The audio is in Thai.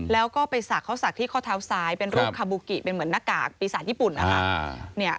แล้วก็ไปสักเขาสักที่ข้อเท้าซ้ายเป็นรูปคาบูกิเป็นเหมือนหน้ากากปีศาจญี่ปุ่นนะคะ